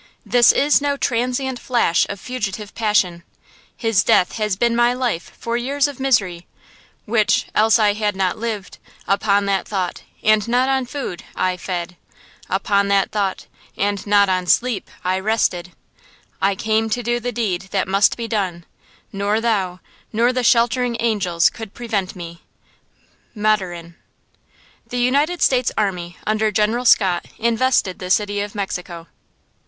This is no transient flash of fugitive passion, His death has been my life for years of misery, Which, else I had not lived, Upon that thought, and not on food, I fed, Upon that thought, and not on sleep, I rested, I came to do the deed that must be done, Nor thou, nor the sheltering angels could prevent me." –MATURIN. THE United States army, under General Scott, invested the city of Mexico.